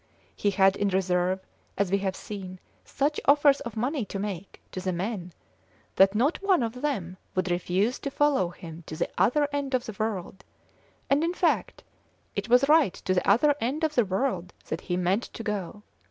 He had in reserve, as we have seen, such offers of money to make to the men that not one of them would refuse to follow him to the other end of the world; and, in fact, it was right to the other end of the world that he meant to go.